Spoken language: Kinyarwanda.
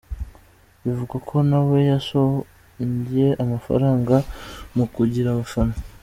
bivugwa ko nawe yashoye amafaranga mu kugura abafana.